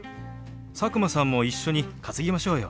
佐久間さんも一緒に担ぎましょうよ！